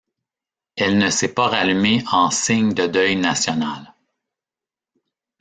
Elle ne s'est pas rallumée en signe de deuil national.